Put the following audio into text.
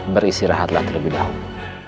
beristirahatlah terlebih dahulu